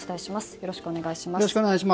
よろしくお願いします。